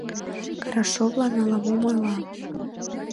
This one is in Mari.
Карашовлан ала-мом ойла.